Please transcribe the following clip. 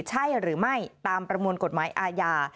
ใช่หรือไม่ตามประมวลกฎหมายอาญา